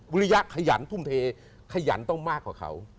ริยะขยันทุ่มเทขยันต้องมากกว่าเขา